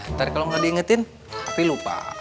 ntar kalau gak diingetin bopi lupa